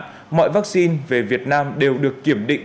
vì mọi vaccine về việt nam đều được kiểm định